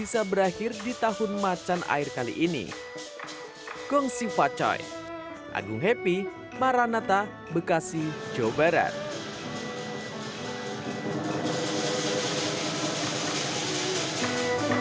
semua anggota sanggar berharap pandemi bisa berakhir di tahun macan air kali ini